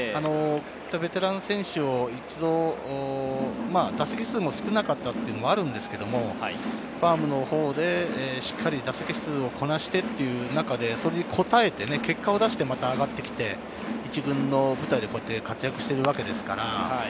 ベテランの選手を、打席数も少なかったということもあるんですけれど、ファームでしっかり打席数をこなしてという中で、結果を出して上がってきて１軍の舞台で活躍しているわけですから。